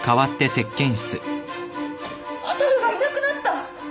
ほたるがいなくなった！？